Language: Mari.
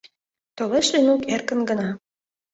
Толеш Ленук эркын гына.